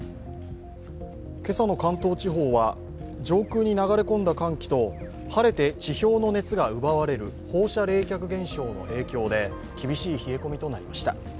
今朝の関東地方は上空に流れ込んだ寒気と晴れて地表の熱が奪われる放射冷却現象の影響で厳しい冷え込みとなりました。